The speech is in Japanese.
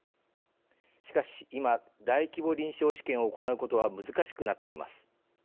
しかし、今大規模臨床試験を行うことは難しくなっています。